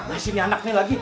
gimana sih ini anaknya lagi